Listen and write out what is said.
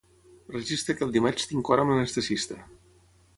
Registra que el dimarts tinc hora amb l'anestesista.